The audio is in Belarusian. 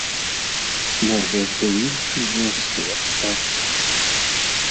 Можа, дзе ў іншым месцы астацца?